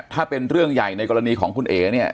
ถ้าเป็นเรื่องใหญ่ในกรณีของคุณเอ๋เนี่ย